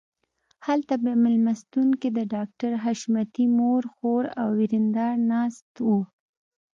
هلته په مېلمستون کې د ډاکټر حشمتي مور خور او ورېندار ناست وو